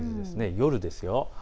夜ですよ。